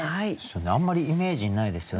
あんまりイメージにないですよね。